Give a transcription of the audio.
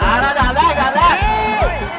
อ่าแล้วด้านแรกด้านแรก